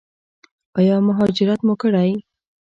ایا مهاجرت مو کړی؟